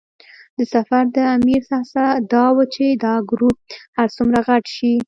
د سفر د امیر هڅه دا وه چې دا ګروپ هر څومره غټ شي.